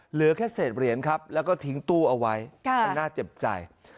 เหลือแค่เศษเหรียญครับแล้วก็ทิ้งตู้เอาไว้มันน่าเจ็บใจ